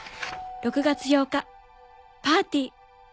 「６月８日パーティー！